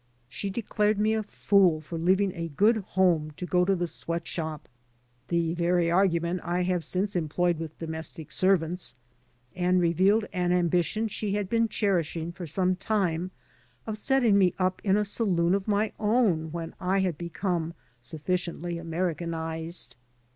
She declared me a fool for leaving a good home to go to the sweat shop (the very argument I have since employed with domestic servants), and revealed an ambition she had been cherishing for some time of setting me up in a saloon of my own when I had become sufficiently Americanized.